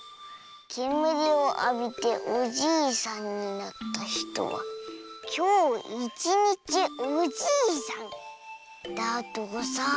けむりをあびておじいさんになったひとはきょういちにちおじいさん」だとさ。